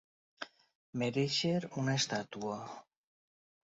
Merèixer una estàtua.